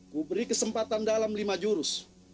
kuberi kesempatan dalam lima jurus